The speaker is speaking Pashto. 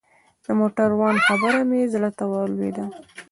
د موټروان خبره مې زړه ته ولوېده.